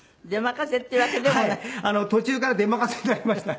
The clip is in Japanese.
途中から出任せになりました。